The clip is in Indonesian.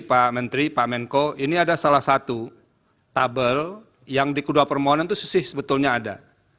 pak menteri pak menko ini ada salah satu tabel yang di kedua permohonan itu sisih sebetulnya ada